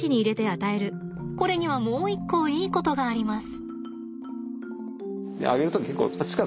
これにはもう一個いいことがあります。